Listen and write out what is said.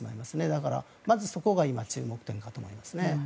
だから、まずそこが今注目点かと思いますね。